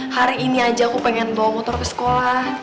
hari ini aja aku pengen bawa motor ke sekolah